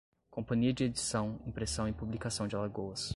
Companhia de Edição, Impressão e Publicação de Alagoas